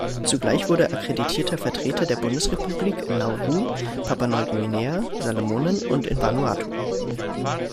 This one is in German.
Zugleich wurde er akkreditierter Vertreter der Bundesrepublik in Nauru, Papua-Neuguinea, Salomonen und in Vanuatu.